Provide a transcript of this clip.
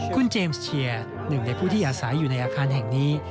คุณเจมส์เชียร์หนึ่งในผู้ที่อาศัยอยู่ในอาคารแห่งนี้